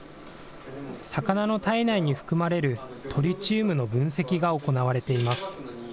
魚の体内に含まれるトリチウムの分析が行われています。